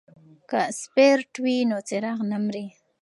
که سپیرټ وي نو څراغ نه مري.